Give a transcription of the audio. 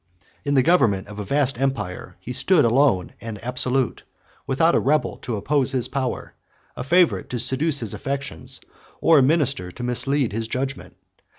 In the government of a vast empire, he stood alone and absolute, without a rebel to oppose his power, a favorite to seduce his affections, or a minister to mislead his judgment.